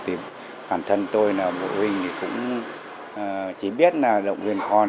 thì bản thân tôi là bộ huynh thì cũng chỉ biết là động viên con